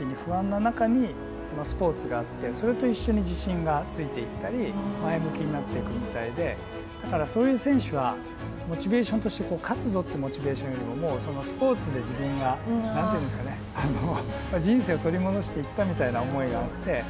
だからケガをしてだんだん回復していく時にだからそういう選手はモチベーションとして勝つぞってモチベーションよりもスポーツで自分が何て言うんですかね人生を取り戻していったみたいな思いがあって。